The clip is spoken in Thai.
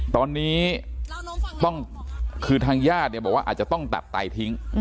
ตอนนี้คือทางญาติเนี่ยบอกว่าอาจจะต้องตัดไตทิ้ง